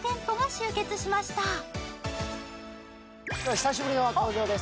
久しぶりの登場です。